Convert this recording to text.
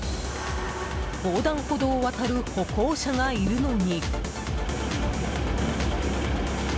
横断歩道を渡る歩行者がいるのに。